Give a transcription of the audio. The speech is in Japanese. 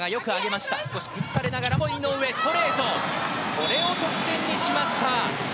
これを得点にしました！